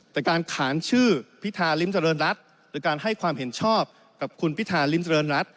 แต่การขานชื่อพิธาริมเจริญรัฐหรือการให้ความเห็นชอบกับคุณพิธาริมเจริญรัฐ